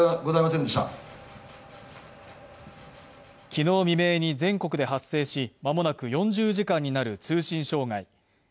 昨日未明に全国で発生し、間もなく４０時間になる通信障害。